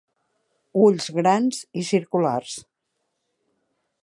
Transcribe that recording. Ulls grans i circulars.